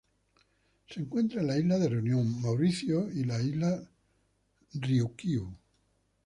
Se encuentran en la isla de Reunión, Mauricio y las Islas Ryukyu.